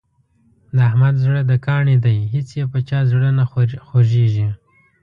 د احمد زړه د کاڼي دی هېڅ یې په چا زړه نه خوږېږي.